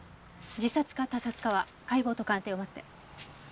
自殺か他殺かは解剖と鑑定を待って。